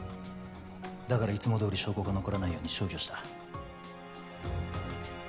だからいつもどおり証拠が残らないように消去した。